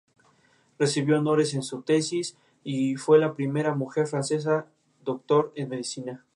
La actriz británica-australiana Naomi Watts es la encargada de interpretar a Diana.